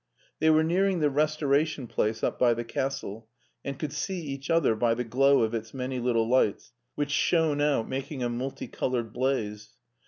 They were nearing the Restoration place up by the Castle, and could see each other by the glow of its many little lights, which shone out, making a multi colored blaze.